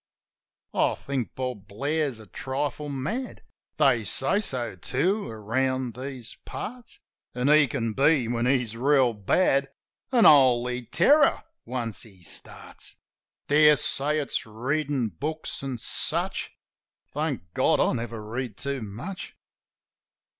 (I think Bob Blair's a trifle mad; They say so, too, around these parts; An' he can be, when he's reel bad, A holy terror once he starts. Dare say it's readin' books an' such. Thank God I never read too much!)